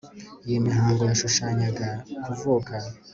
iyi mihango yashushanyaga kuvuka